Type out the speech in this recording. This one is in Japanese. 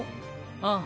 ああ。